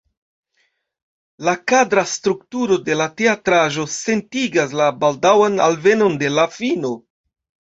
La kadra strukturo de la teatraĵo sentigas la baldaŭan alvenon de la fino.